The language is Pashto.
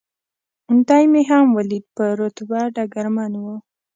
دی مې هم ولید، په رتبه ډګرمن و.